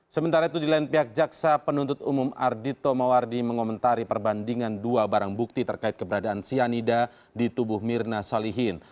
sementara itu di lain pihak jaksa penuntut umum ardhito mawardi mengomentari perbandingan dua barang bukti terkait keberadaan cyanida di tubuh mirna salihin